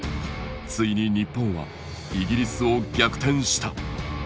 ついに日本はイギリスを逆転した。